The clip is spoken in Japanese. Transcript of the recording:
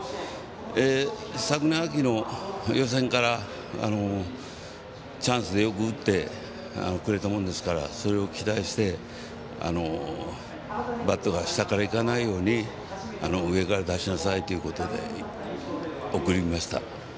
昨年秋の予選からチャンスでよく打ってくれたもんですからそれを期待してバットが下からいかないように上から出しなさいということで送りました。